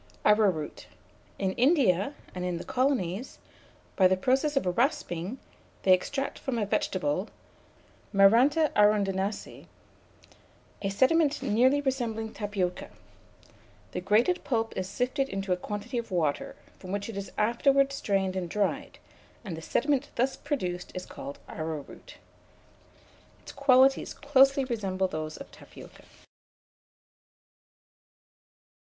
ARROWROOT. In India, and in the colonies, by the process of rasping, they extract from a vegetable (Maranta arundinacea) a sediment nearly resembling tapioca. The grated pulp is sifted into a quantity of water, from which it is afterwards strained and dried, and the sediment thus produced is called arrowroot. Its qualities closely resemble those of tapioca.